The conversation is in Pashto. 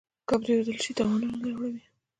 که پرېښودل شي تاوانونه اړوي.